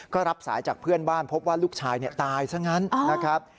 ก็รับสายจากเพื่อนบ้านพบว่าลูกชายตายซะงั้นนะครับ